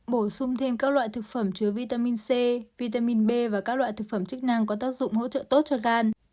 bổ sung thêm các loại thực phẩm chứa vitamin c vitamin b và các loại thực phẩm chức năng có tác dụng hỗ trợ tốt cho gan